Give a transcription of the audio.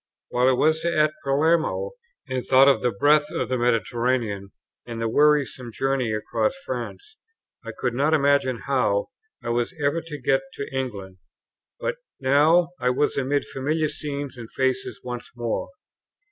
While I was at Palermo and thought of the breadth of the Mediterranean, and the wearisome journey across France, I could not imagine how I was ever to get to England; but now I was amid familiar scenes and faces once more.